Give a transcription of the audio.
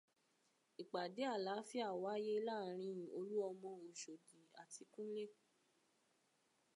Ìpàdé àláàfíà wáyé láàárín Olúọmọ Oṣòdì àti Kúnlé.